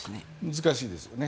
難しいですよね。